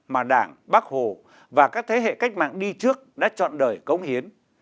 mà đảng bác hồ và các thế hệ cách mạng đi trước đã chọn đời cống hiến